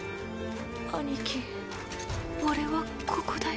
兄貴俺はここだよ。